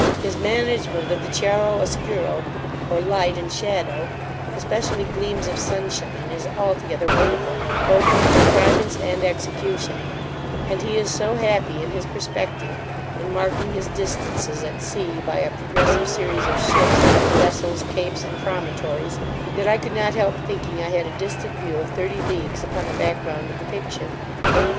His management of the chiaro oscuro, or light and shadow, especially gleams of sunshine, is altogether wonderful, both in the contrivance and execution; and he is so happy in his perspective, and marking his distances at sea, by a progressive series of ships, vessels, capes, and promontories, that I could not help thinking, I had a distant view of thirty leagues upon the back ground of the picture.